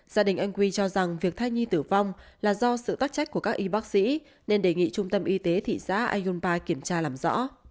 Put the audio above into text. gia đình anh huy cho rằng việc thai nhi tử vong là do sự tác trách của các y bác sĩ nên đề nghị trung tâm y tế thị xã ayunpa kiểm tra làm rõ